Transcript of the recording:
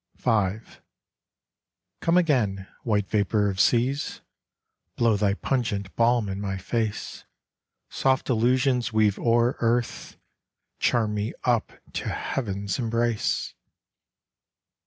V. Come again, white vapor of seas, Blow thy pungent balm in my face, Soft illusions weave o'er earth, Charm me up to heaven's embrace!